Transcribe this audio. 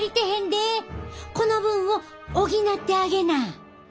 この分を補ってあげな。